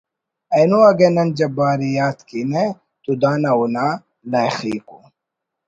اینو اگہ نن جبار ءِ یات کینہ تو دا اونا لائخیک ءُ